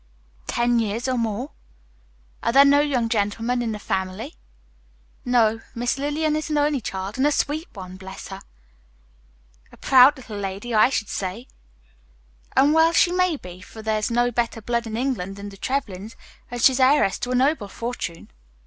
"Ten years or more." "Are there no young gentlemen in the family?" "No, Miss Lillian is an only child, and a sweet one, bless her!" "A proud little lady, I should say." "And well she may be, for there's no better blood in England than the Trevlyns, and she's heiress to a noble fortune."